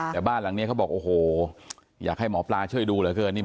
แต่บ้านหลังนี้เขาบอกโอ้โหอยากให้หมอปลาช่วยดูเหลือเกิน